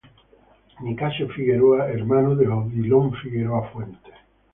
Nicasio Figueroa, hermano de Odilon Figueroa Fuentes.